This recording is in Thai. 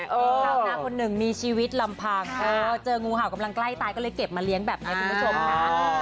ชาวหน้าคนหนึ่งมีชีวิตลำพังเจองูเห่ากำลังใกล้ตายก็เลยเก็บมาเลี้ยงแบบนี้คุณผู้ชมค่ะ